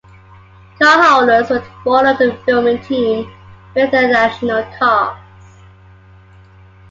Car haulers would follow the filming team with the additional cars.